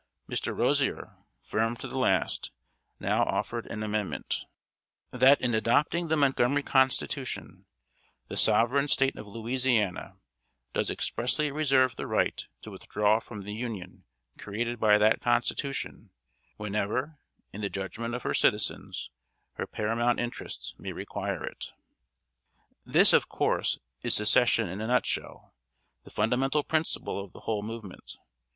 Mr. Rozier, firm to the last, now offered an amendment: That in adopting the Montgomery Constitution, "the sovereign State of Louisiana _does expressly reserve the right to withdraw from the Union created by that Constitution, whenever, in the judgment of her citizens, her paramount interests may require it_." This, of course, is Secession in a nutshell the fundamental principle of the whole movement.